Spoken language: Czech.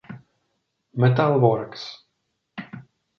Metal Works.